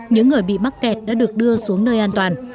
những người bị mắc kẹt đã được đưa xuống nơi an toàn